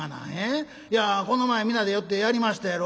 いやこの前皆で寄ってやりましたやろ。